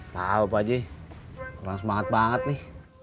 tau pak haji kurang semangat banget nih